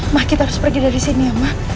ma kita harus pergi dari sini ya ma